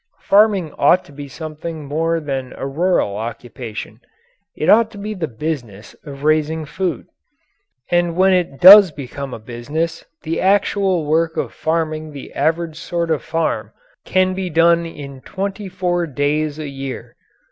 Farming ought to be something more than a rural occupation. It ought to be the business of raising food. And when it does become a business the actual work of farming the average sort of farm can be done in twenty four days a year.